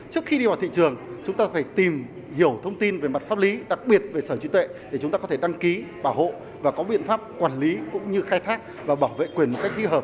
trước khi đi vào thị trường chúng ta phải tìm hiểu thông tin về mặt pháp lý đặc biệt về sở trí tuệ để chúng ta có thể đăng ký bảo hộ và có biện pháp quản lý cũng như khai thác và bảo vệ quyền một cách thích hợp